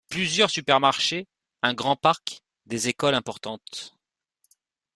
Plusieurs supermarchés, un grand parc, des écoles importantes...